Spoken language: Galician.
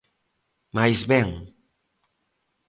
Máis ben.